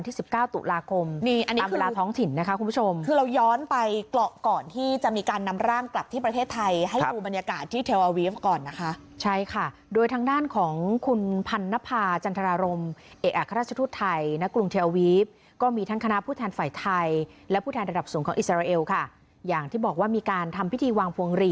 ตามเวลาท้องถิ่นนะคะคุณผู้ชมคือเราย้อนไปเกราะก่อนที่จะมีการนำร่างกลับที่ประเทศไทยให้ดูบรรยากาศที่เทลอาวีฟก่อนนะคะใช่ค่ะโดยทางด้านของคุณพันธ์นภาจันทรารมณ์เอกอัศทธุรกิจไทยในกรุงเทลอาวีฟก็มีท่านคณะผู้แทนฝ่ายไทยและผู้แทนระดับสูงของอิสราเอลค่ะอย่างที่บอกว่ามีการ